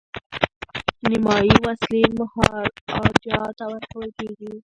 نیمایي وسلې مهاراجا ته ورکول کیږي.